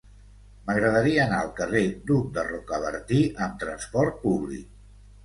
M'agradaria anar al carrer d'Hug de Rocabertí amb trasport públic.